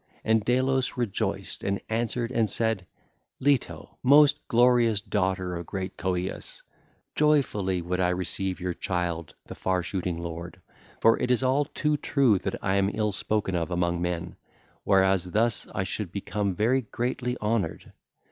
And Delos rejoiced and answered and said: 'Leto, most glorious daughter of great Coeus, joyfully would I receive your child the far shooting lord; for it is all too true that I am ill spoken of among men, whereas thus I should become very greatly honoured.